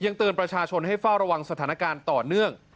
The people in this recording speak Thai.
เตือนประชาชนให้เฝ้าระวังสถานการณ์ต่อเนื่อง